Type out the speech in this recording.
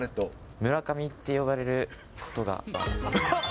村上って呼ばれることが。